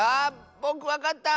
ぼくわかった！